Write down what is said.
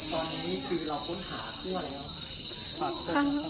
ตอนนี้คือเราค้นหาทั่วแล้วครับ